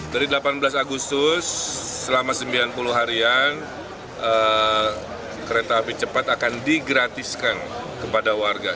dari delapan belas agustus selama sembilan puluh harian kereta api cepat akan digratiskan kepada warga